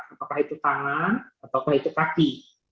apakah itu tangan ataukah itu kaki